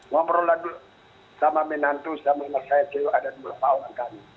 ngobrol lagi sama minantus sama saya ada dua pak oloan kami